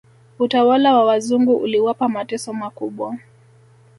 Utawala wa wazungu uliwapa mateso makubwa